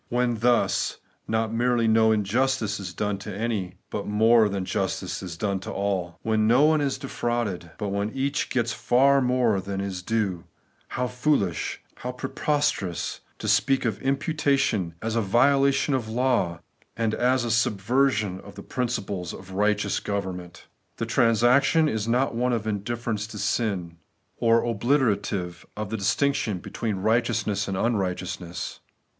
When thus not merely no injustice is done to any one, but when more than jmtice is done to aU; when no one is defrauded, but when each gets far more than his due, how foolish, how preposterous, to speak of imputation as a violation of law, and a subversion of the prin ciples of righteous government ! The transaction is not one of indifference to sin, or obliterative of the distinction between righteous G k 98 Jlu Uroerlasting RighUausness. ness and tmrighteousness.